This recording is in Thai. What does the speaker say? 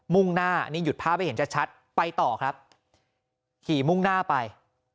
่งหน้านี่หยุดภาพให้เห็นชัดไปต่อครับขี่มุ่งหน้าไป